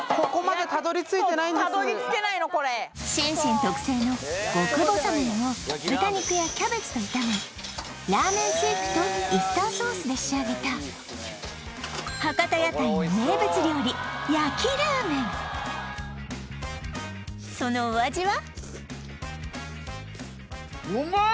そうたどり着けないのこれＳｈｉｎ−Ｓｈｉｎ特製の極細麺を豚肉やキャベツと炒めらーめんスープとウスターソースで仕上げた博多屋台の名物料理そのお味は？